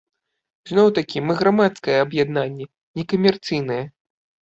Зноў-такі, мы грамадскае аб'яднанне, некамерцыйнае.